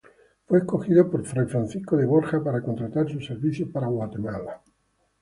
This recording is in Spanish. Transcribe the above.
Fue escogido por fray Francisco de Borja para contratar sus servicios para Guatemala.